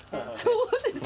そうです。